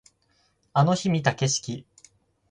あの日見た景色